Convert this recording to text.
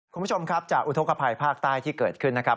คุณผู้ชมครับจากอุทธกภัยภาคใต้ที่เกิดขึ้นนะครับ